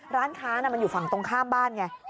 ร้านค้ามันอยู่ฝั่งตรงข้ามบ้านไง